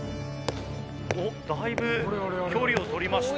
おっだいぶ距離を取りました。